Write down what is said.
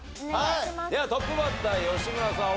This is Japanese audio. ではトップバッター吉村さん